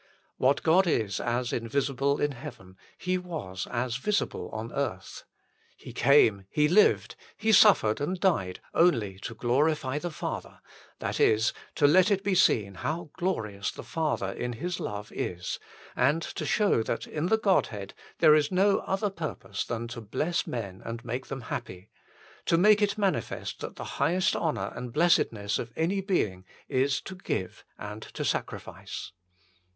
What God is as invisible in heaven, He was as visible on earth. He came, He lived, He suffered and died only to glorify the Father that is, to let it be seen how glorious the Father in His love is, and to show that in the Godhead there is no other purpose than to bless men and make them happy ; to make it manifest that the highest honour and blessed ness of any being is to give and to sacrifice.